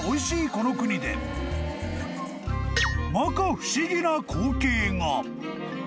この国でまか不思議な光景が］